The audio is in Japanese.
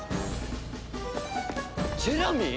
ジェラミー！？